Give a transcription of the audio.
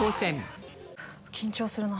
緊張するな。